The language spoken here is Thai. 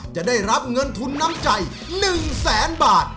จะได้รับเงินทุนน้ำใจ๑แสนบาท